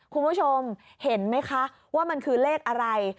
คุณผู้ชมเห็นไหมคะว่ามันคือเลขอะไร